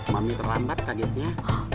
mami terlambat kagetnya